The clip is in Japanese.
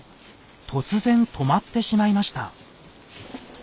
突然止まってしまいました。